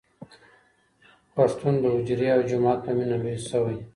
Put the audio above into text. پښتون د حجري او جومات په مینه لوی سوی.